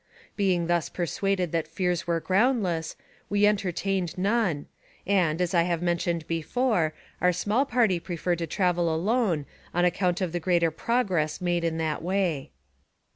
Being thus persuaded that fears were groundless, we entertained none, and, as I have mentioned before, our small company preferred to travel alone on account of the greater progress made in that way.